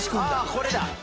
ああこれだ。